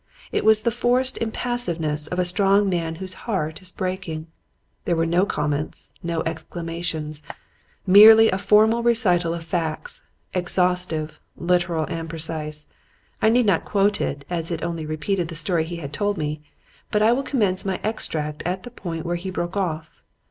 It was the forced impassiveness of a strong man whose heart is breaking. There were no comments, no exclamations; merely a formal recital of facts, exhaustive, literal and precise. I need not quote it, as it only repeated the story he had told me, but I will commence my extract at the point where he broke off.